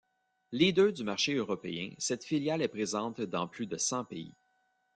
Leader du marché européen, cette filiale est présente dans plus de cent pays.